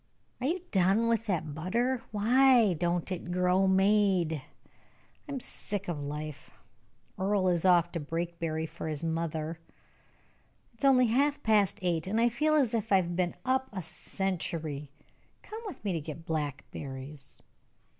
Are you done with that butter? Why don't it grow made? I am sick of life. Earle is off to Brakebury for his mother. It is only half past eight, and I feel as if I had been up a century. Come with me to get blackberries."